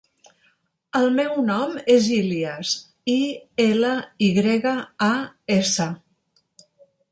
El meu nom és Ilyas: i, ela, i grega, a, essa.